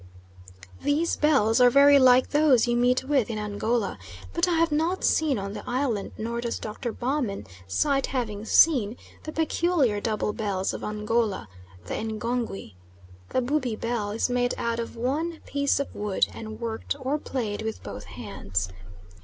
These bells are very like those you meet with in Angola, but I have not seen on the island, nor does Dr. Baumann cite having seen, the peculiar double bell of Angola the engongui. The Bubi bell is made out of one piece of wood and worked or played with both hands.